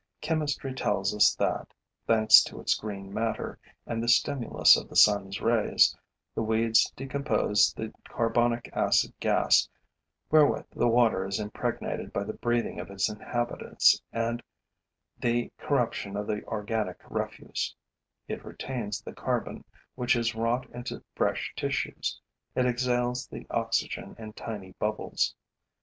Chemistry tells us that, thanks to its green matter and the stimulus of the sun's rays, the weeds decompose the carbonic acid gas wherewith the water is impregnated by the breathing of its inhabitants and the corruption of the organic refuse; it retains the carbon, which is wrought into fresh tissues; it exhales the oxygen in tiny bubbles.